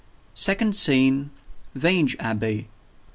SECOND SCENE. VANGE ABBEY.